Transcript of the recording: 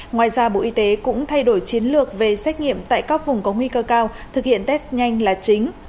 ngoài ra bộ y tế cũng thay đổi chiến lược về xét nghiệm tại các vùng có nguy cơ cao thực hiện test nhanh là chính